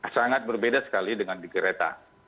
sangat berbeda sekali dengan di kereta